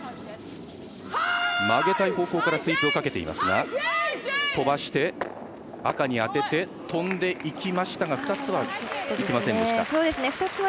曲げたい方向からスイープをかけていましたが赤に当てて、飛んでいきましたが２つはいきませんでした。